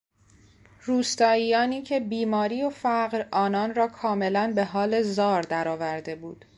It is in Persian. روستاییانی که بیماری و فقر آنان را کاملا به حال زار در آورده بود